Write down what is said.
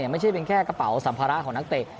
ไม่ใช่เป็นแค่กระเป๋าสัมภาระของนักเตะ